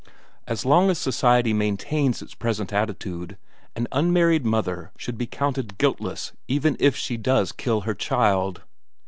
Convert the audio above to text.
As long as society maintains its present attitude, an unmarried mother should be counted guiltless even if she does kill her child."